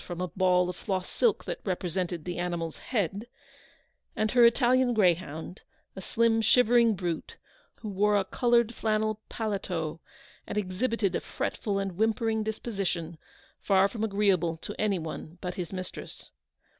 283 from a ball of floss silk that represented the animal's head ; and her Italian greyhound, a slim shivering brute, who wore a coloured flannel paletot, and exhibited a fretful and whimpering disposition, far from agreeable to any one but his mistress.